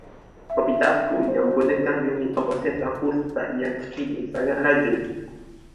Komputer aku yang menggunakan unit pemprosesan pusat yang terkini sangat laju.